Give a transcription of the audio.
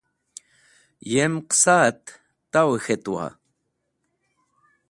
Yem qẽsaẽt tawẽ khetuwa?